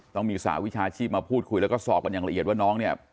ต้องมีสหวิชาชีพมาพูดคุยแล้วก็สอบกันอย่างละเอียดว่าน้องเนี่ย